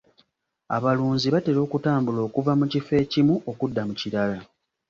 Abalunzi batera okutambula okuva mu kifo ekimu okudda mu kirala.